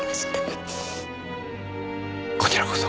こちらこそ。